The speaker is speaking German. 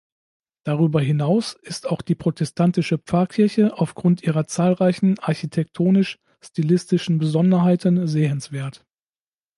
Darüber hinaus ist auch die Protestantische Pfarrkirche aufgrund ihrer zahlreichen architektonisch-stilistischen Besonderheiten sehenswert.